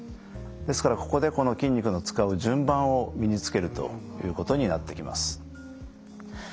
ですからここでこの筋肉の使う順番を身につけるということになってきます。